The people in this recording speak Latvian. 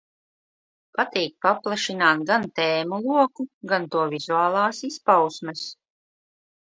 Patīk paplašināt gan tēmu loku, gan to vizuālās izpausmes.